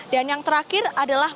dan yang terakhir adalah